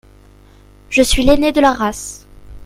«Je suis l’aîné de la race.